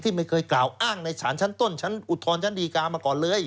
ไม่เคยกล่าวอ้างในศาลชั้นต้นชั้นอุทธรณชั้นดีการมาก่อนเลย